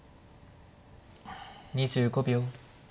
２５秒。